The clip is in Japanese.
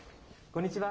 こんにちは。